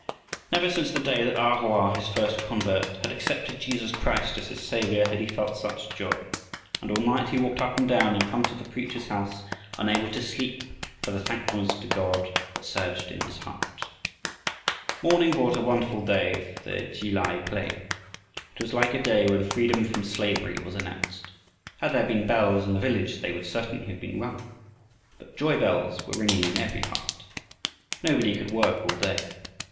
Never since the day that A Hoa, his first convert, had accepted Jesus Christ as his Savior, had he felt such joy, and all night he walked up and down in front of the preacher's house, unable to sleep for the thankfulness to God that surged in his heart. Morning brought a wonderful day for the Ki lai plain. It was like a day when freedom from slavery was announced. Had there been bells in the village they would certainly have been rung. But joy bells were ringing in every heart. Nobody could work all day.